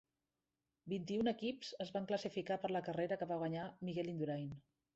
Vint-i-un equips es van classificar per la carrera que va guanyar Miguel Indurain.